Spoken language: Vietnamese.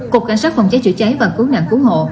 cục cảnh sát phòng cháy chữa cháy và khứ nạn khứ hộ